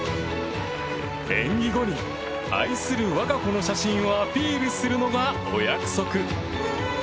演技後に、愛する我が子の写真をアピールするのがお約束。